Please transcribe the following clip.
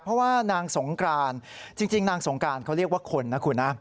เพราะว่านางสงกรานจริงนางสงการเขาเรียกว่าคนนะคุณนะ